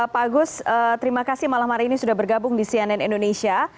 pak agus terima kasih malam hari ini sudah bergabung di cnn indonesia